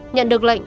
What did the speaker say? nhận được lệnh